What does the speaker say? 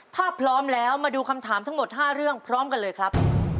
ถ้าพร้อมแล้วมาดูคำถามทั้งหมด๕เรื่องพร้อมกันเลยครับ